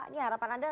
ini harapan anda